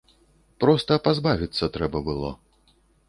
Проста пазабавіцца трэба было.